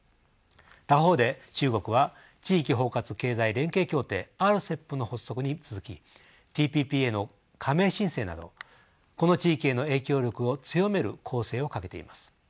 他方で中国は地域包括経済連携協定ＲＣＥＰの発足に続きＴＰＰへの加盟申請などこの地域への影響力を強める攻勢をかけています。